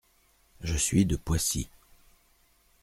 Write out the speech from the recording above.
Je suis de Poissy.